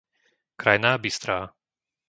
Krajná Bystrá